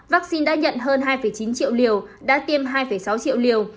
vaccine đã nhận hơn hai chín triệu liều đã tiêm hai sáu triệu liều